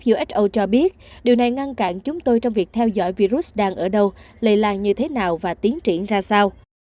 uso cho biết điều này ngăn cản chúng tôi trong việc theo dõi virus đang ở đâu lây lan như thế nào và tiến triển ra sao